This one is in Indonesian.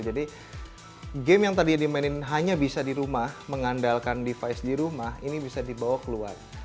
jadi game yang tadi dimainin hanya bisa di rumah mengandalkan device di rumah ini bisa dibawa keluar